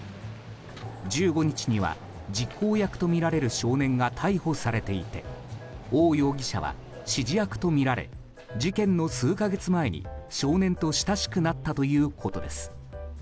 １５日には実行役とみられる少年が逮捕されていてオウ容疑者は指示役とみられ事件の数か月前に少年と親しくなったということです。